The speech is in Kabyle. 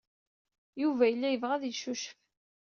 Yuba yella yebɣa ad yeccucef.